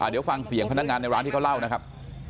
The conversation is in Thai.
เดี๋ยวฟังเสียงพนักงานในร้านที่เขาเล่านะครับ